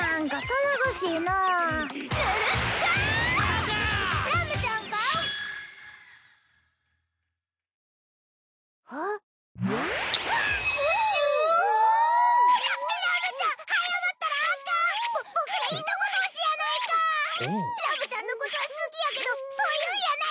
ラムちゃんのことは好きやけどそういうんやない。